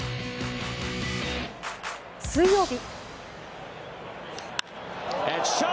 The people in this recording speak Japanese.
水曜日。